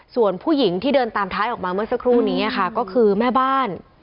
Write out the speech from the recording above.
ส่วนผู้หญิงที่เดินตามท้ายออกมาเมื่อสักครู่นี้ค่ะก็คือแม่บ้าน